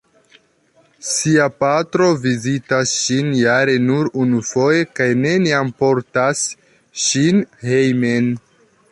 Sia patro vizitas ŝin jare nur unufoje, kaj neniam portas ŝin hejmen.